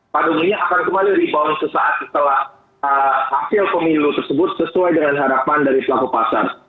pada umumnya akan kembali rebound sesaat setelah hasil pemilu tersebut sesuai dengan harapan dari pelaku pasar